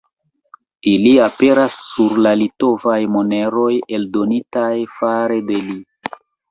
Ili aperas sur la litovaj moneroj eldonitaj fare de li.